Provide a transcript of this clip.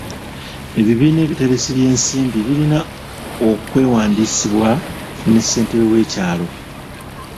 Ebibiina ebiteresi by'ensimbi birina okwewandiisibwa ne ssentebe w'ekyalo.